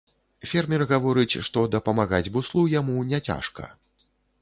Фермер гаворыць, што дапамагаць буслу яму няцяжка.